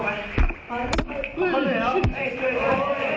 เราจะมาที่นี่คุณคุณค่ะ